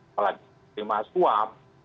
apalagi terima suap